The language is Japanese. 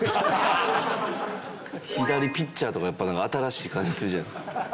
左ピッチャーとかやっぱ新しい感じするじゃないですか。